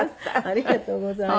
ありがとうございます。